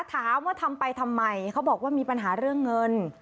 ถามว่าทำไปทำไมเขาบอกว่ามีปัญหาเรื่องเงิน